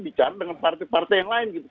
bicara dengan partai partai yang lain gitu